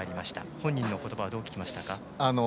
本人の言葉はどう聞きましたか？